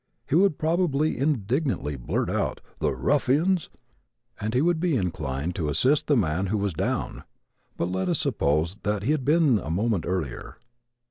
He would probably indignantly blurt out "The ruffians!" and he would be inclined to assist the man who was down. But let us suppose that he had been a moment earlier.